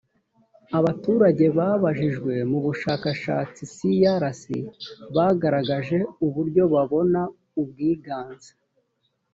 abaturage babajijwe mu bushakashatsi crc bagaragaje uburyo babona ubwiganze